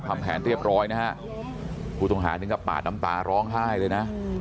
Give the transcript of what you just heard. ทำแผนเรียบร้อยนะฮะผู้ต้องหาถึงกับปาดน้ำตาร้องไห้เลยนะ